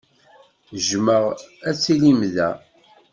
Jjmeɣ ad tilim da.